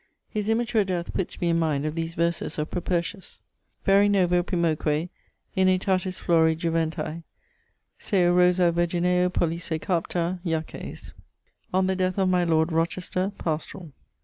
His immature death putts me in mind of these verses of Propertius: Vere novo primoque in aetatis flore juventae, Ceu rosa virgineo pollice carpta, jaces. _On the death of my lord Rochester: pastorall.